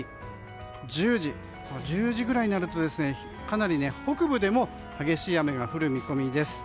１０時ぐらいになるとかなり北部でも激しい雨が降る見込みです。